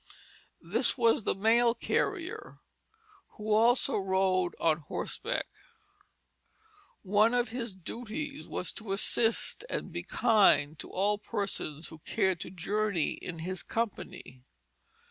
This was the mail carrier, who also rode on horseback. One of his duties was to assist and be kind to all persons who cared to journey in his company.